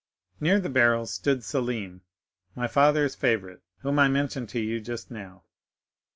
"Near the barrels stood Selim, my father's favorite, whom I mentioned to you just now.